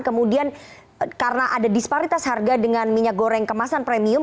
kemudian karena ada disparitas harga dengan minyak goreng kemasan premium